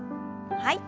はい。